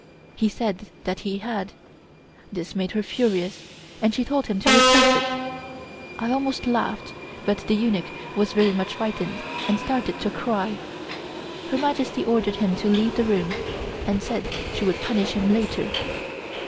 He said that he had. This made her furious, and she told him to replace it. I almost laughed, but the eunuch was very much frightened and started to cry. Her Majesty ordered him to leave the room, and said she would punish him later.